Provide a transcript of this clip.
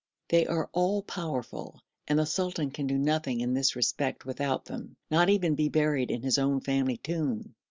They are all powerful, and the sultan can do nothing in this respect without them not even be buried in his own family tomb.